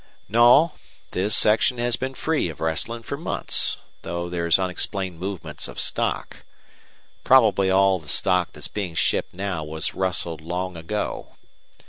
"No. This section has been free of rustling for months, though there's unexplained movements of stock. Probably all the stock that's being shipped now was rustled long ago.